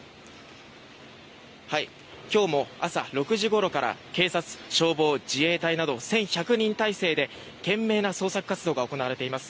今日も朝６時ごろから警察、消防、自衛隊など１１００人態勢で懸命な捜索活動が行われています。